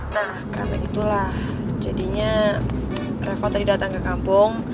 nah karena itulah jadinya reko tadi datang ke kampung